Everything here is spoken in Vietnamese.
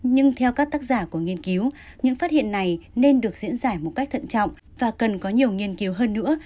nhưng theo các tác giả của nghiên cứu những phát hiện này nên được diễn giải một cách thận trọng và cần có nhiều nghiên cứu hơn nữa